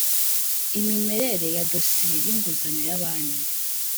Imimerere y amadosiye y inguzanyo ya banki